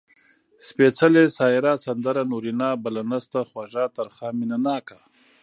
سپېڅلې ، سايره ، سندره، نورينه . بله نسته، خوږَه، ترخه . مينه ناکه